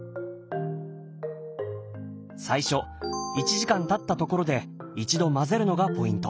最初１時間たったところで一度混ぜるのがポイント。